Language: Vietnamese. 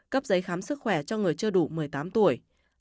cấp giấy khám sức khỏe cho người chưa đủ một mươi tám tuổi